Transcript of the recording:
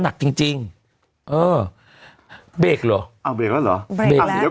หนักจริงจริงเออเบรกเหรอเอาเบรกแล้วเหรอเบรกเดี๋ยว